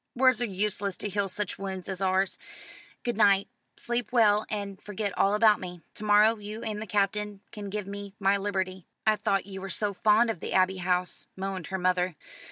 Words are useless to heal such wounds as ours. Good night. Sleep well, and forget all about me. To morrow you and the Captain can give me my liberty." "I thought you were so fond of the Abbey House," moaned her mother.